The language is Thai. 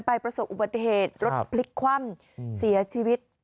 ประสบอุบัติเหตุรถพลิกคว่ำเสียชีวิต